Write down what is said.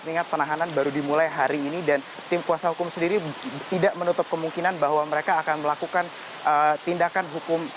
mengingat penahanan baru dimulai hari ini dan tim kuasa hukum sendiri tidak menutup kemungkinan bahwa mereka akan melakukan tindakan hukum